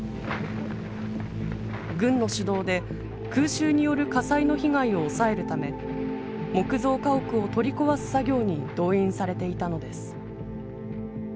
軍の主導で空襲による火災の被害を抑えるため木造家屋を取り壊す作業に動員されていたのです。